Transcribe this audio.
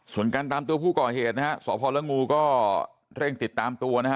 ส่วนการตามตัวผู้ก่อเหตุนะฮะสพละงูก็เร่งติดตามตัวนะฮะ